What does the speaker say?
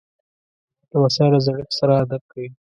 لمسی له زړښت سره ادب کوي.